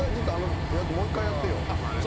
もう一回やってよ。